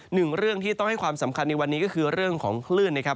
หนึ่งเรื่องที่ต้องให้ความสำคัญในวันนี้ก็คือเรื่องของคลื่นนะครับ